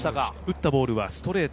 打ったボールはストレート。